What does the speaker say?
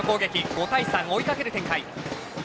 ５対３、追いかける展開。